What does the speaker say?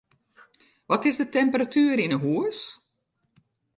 Wat is de temperatuer yn 'e hús?